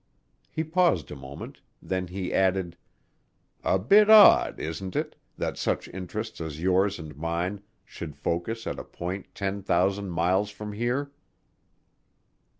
He paused a moment. Then he added, "A bit odd, isn't it, that such interests as yours and mine should focus at a point ten thousand miles from here?"